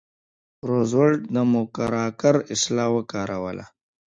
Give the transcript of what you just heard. روزولټ د موکراکر اصطلاح وکاروله.